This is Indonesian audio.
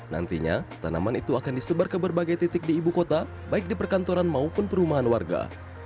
nantinya tanaman itu akan disebar ke berbagai titik di ibu kota baik di perkantoran maupun perumahan warga